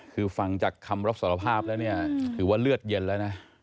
คือฟังจากคำรับสารภาพแล้วเนี่ยถือว่าเลือดเย็นแล้วนะ